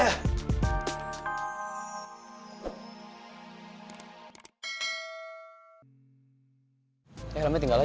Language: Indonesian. eh helmnya tinggal aja